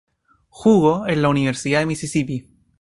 Jugo en la universidad de Mississippi.